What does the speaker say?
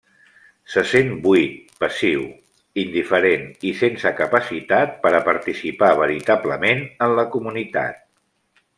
Se sent buit, passiu, indiferent i sense capacitat per a participar veritablement en la comunitat.